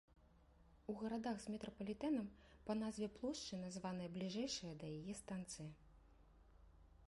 У гарадах з метрапалітэнам па назве плошчы названая бліжэйшая да яе станцыя.